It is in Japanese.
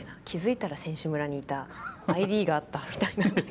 気付いたら選手村にいたＩＤがあったみたいな。